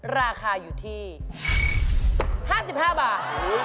ราคาอยู่ที่๕๕บาท